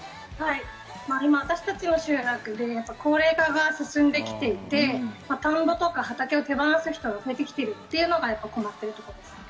今、私たちの集落で高齢化が進んできていて、田んぼとか畑を手放す人が出てきているというのが困っていることですね。